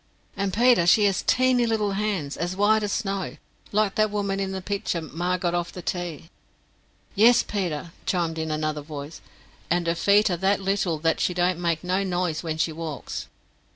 "And, Peter, she hes teeny little hands, as wite as snow, like that woman in the picter ma got off of the tea." "Yes, Peter," chimed in another voice; "and her feet are that little that she don't make no nise wen she walks."